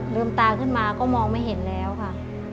ลืมตาขึ้นมาก็มองไม่เห็นแล้วค่ะ